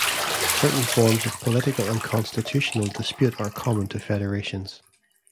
Certain forms of political and constitutional dispute are common to federations.